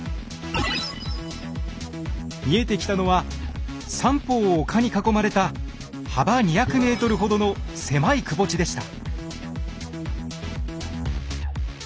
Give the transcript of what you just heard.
見えてきたのは三方を丘に囲まれた幅２００ｍほどの狭いくぼ地でした。